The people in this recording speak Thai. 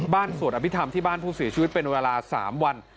สวดอภิษฐรรมที่บ้านผู้เสียชีวิตเป็นเวลา๓วัน